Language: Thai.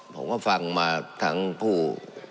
ผมก็ฟังมาทั้งผู้